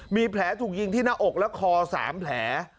มีแผลถูกยิงที่หน้าอกและคอ๓แผล